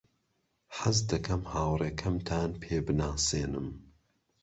حەز دەکەم هاوڕێکەمتان پێ بناسێنم.